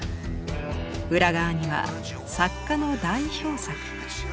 裏側には作家の代表作。